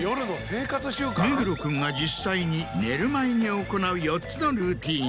目黒君が実際に寝る前に行う４つのルーティン。